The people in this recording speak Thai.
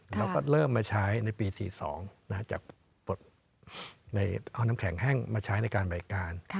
เราก็เริ่มมาใช้ในปี๔๒จากปลดเอาน้ำแข็งแห้งมาใช้ในการบริการ